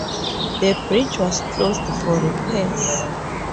The bridge was closed for repairs.